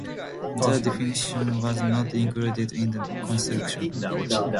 The definition was not included in the constitution.